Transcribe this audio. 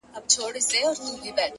پۀ ناکړدو مې د شعور بټۍ کښې